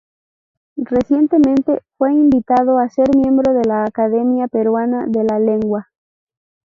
Recientemente fue invitado a ser miembro de la Academia Peruana de la Lengua.